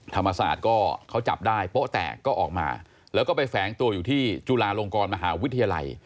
ธรรมศาสตร์ก็เขาจับได้โป๊ะแตกก็ออกมาแล้วก็ไปแฝงตัวอยู่ที่จุฬาลงกรมหาวิทยาลัย